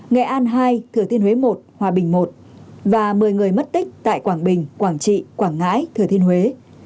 nghệ an hai thừa thiên huế một hòa bình i và một mươi người mất tích tại quảng bình quảng trị quảng ngãi thừa thiên huế